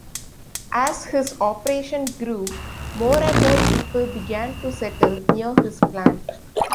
As his operation grew, more and more people began to settle near his plant.